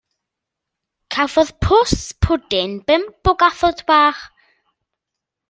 Cafodd Pws Pwdin bump o gathod bach.